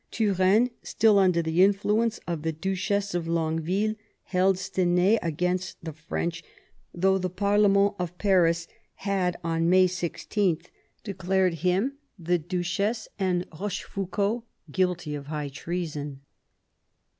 Turenne, still under the influence of the Duchess of Longueville, held Stenay against the French, though the parlemeni of Paris had, on May 16, declared him, the duchess, and Eochefoucauld guilty of high treason.